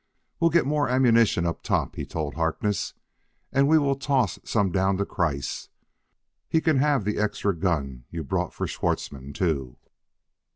"We'll get more ammunition up top," he told Harkness, "and we will toss some down to Kreiss. He can have the extra gun you brought for Schwartzmann, too."